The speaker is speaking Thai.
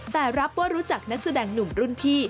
แต่รับว่ารู้จักนักแสดงหนุ่มรุ่นพี่